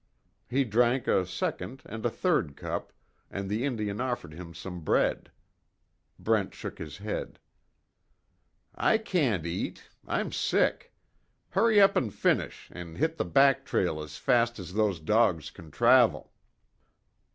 He drank a second and a third cup, and the Indian offered him some bread. Brent shook his head: "I can't eat. I'm sick. Hurry up and finish, and hit the back trail as fast as those dogs can travel."